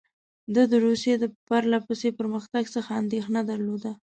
ده د روسیې د پرله پسې پرمختګ څخه اندېښنه درلوده.